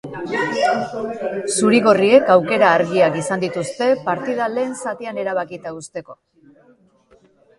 Zuri-gorriek aukera argiak izan dituzte partida lehen zatian erabakita uzteko.